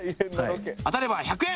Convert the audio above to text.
当たれば１００円！